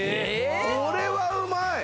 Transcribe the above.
これはうまい！